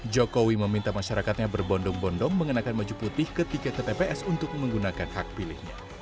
jokowi meminta masyarakatnya berbondong bondong mengenakan baju putih ketika ke tps untuk menggunakan hak pilihnya